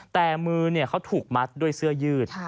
แต่มือเขาถูกมัดด้วยเสื้อยืด